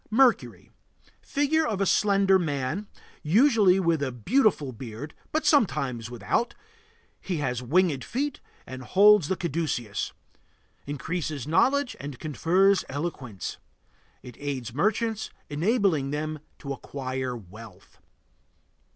MERCURY. Figure of a slender man, usually with a beautiful beard, but sometimes without. He has winged feet and holds the caduceus. Increases knowledge and confers eloquence. It aids merchants, enabling them to acquire wealth.